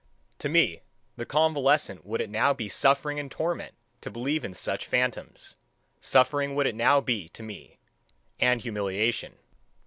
To me the convalescent would it now be suffering and torment to believe in such phantoms: suffering would it now be to me, and humiliation.